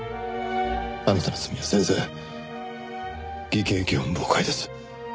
あなたの罪はせいぜい偽計業務妨害です。